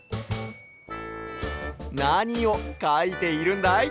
なにをかいているんだい？